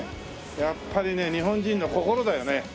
やっぱりね日本人の心だよね。